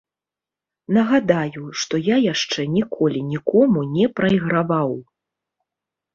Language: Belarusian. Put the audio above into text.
Нагадаю, што я яшчэ ніколі нікому не прайграваў.